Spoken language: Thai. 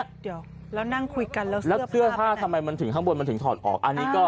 แล้วนั่งคุยกันแล้วเสื้อผ้าทำไมถึงข้างบนถอดออก